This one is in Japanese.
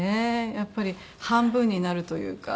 やっぱり半分になるというか。